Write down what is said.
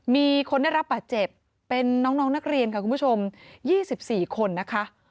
มีคนได้รับบาดเจ็บเป็นน้องนักเรียนค่ะคุณผู้ชม๒๔คนนะคะ